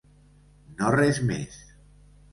No res més.